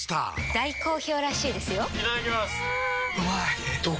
大好評らしいですよんうまい！